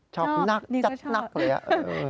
ชอบนักเลยครับ